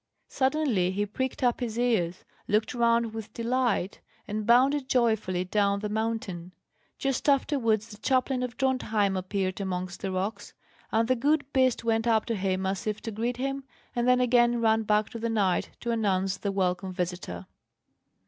Suddenly he pricked up his ears, looked round with delight, and bounded joyfully down the mountain. Just afterwards the chaplain of Drontheim appeared amongst the rocks, and the good beast went up to him as if to greet him, and then again ran back to the knight to announce the welcome visitor.